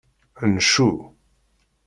Ncu.